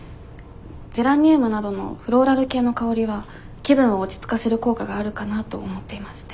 ゼラニウムなどのフローラル系の香りは気分を落ち着かせる効果があるかなと思っていまして。